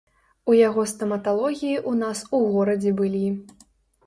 У яго стаматалогіі ў нас у горадзе былі.